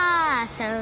そう。